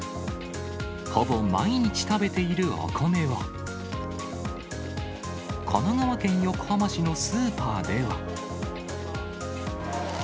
ほぼ毎日食べているお米を、神奈川県横浜市のスーパーでは。